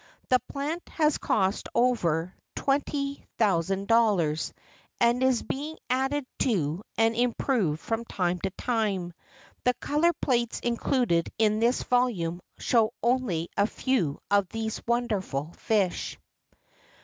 The plant has cost over $20,000, and is being added to and improved from time to time. The color plates included in this volume show only a few of these wonderful fish.